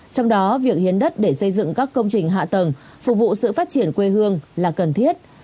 trong đó việc hiến đất để xây dựng các công trình hạ tầng phục vụ sự phát triển quê hương là cần thiết